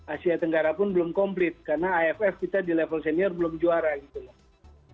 asia tenggara pun belum komplit karena aff kita di level senior belum juara gitu loh